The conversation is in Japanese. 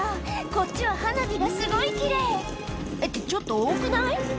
こっちは花火がすごい奇麗ってちょっと多くない？